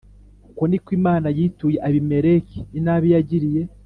Uko ni ko Imana yituye Abimeleki inabi yagiriye